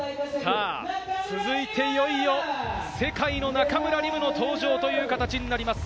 続いて、いよいよ世界の中村輪夢の登場という形になります。